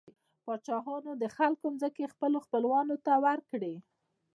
پاچاهانو د خلکو ځمکې خپلو خپلوانو ته ورکړې.